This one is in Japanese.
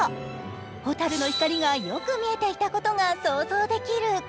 ほたるの光がよく見えていたことが想像できる。